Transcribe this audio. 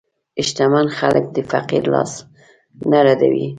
شتمن خلک د فقیر لاس نه ردوي.